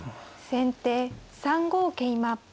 先手３五桂馬。